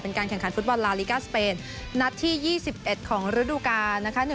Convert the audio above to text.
การแข่งขันฟุตบอลลาลิกาสเปนนัดที่๒๑ของฤดูกาลนะคะ